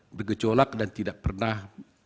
bergecolak dan tidak pernah